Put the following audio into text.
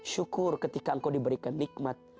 syukur ketika engkau diberikan nikmat